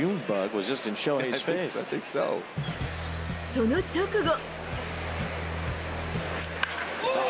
その直後。